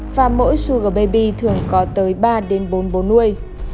và mỗi sug baby thường có tới ba bốn bố nuôi